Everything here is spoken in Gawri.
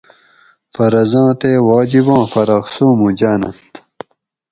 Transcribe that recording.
فرضاں تے واجِباں فرق سومو جاۤننت